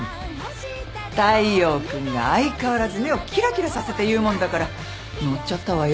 大陽君が相変わらず目をキラキラさせて言うもんだから乗っちゃったわよ。